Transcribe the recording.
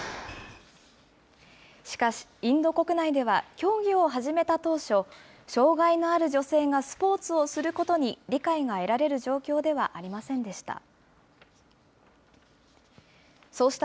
しかし、インド国内では競技を始めた当初、障害のある女性がスポーツをすることに、理解が得られる状況ではありませんでした。